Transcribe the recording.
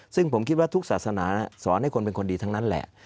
ซึ่งผมคิดว่าทุกศาสนาสอนให้คนเป็นคนดีทั้งนั้นแหละ